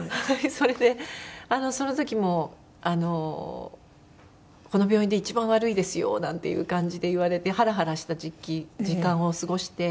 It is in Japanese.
それでその時も「この病院で一番悪いですよ」なんていう感じで言われてハラハラした時期時間を過ごして。